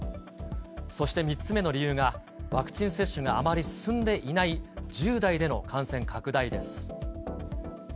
そして３つ目の理由が、ワクチン接種があまり進んでいない１０代での感染拡大です。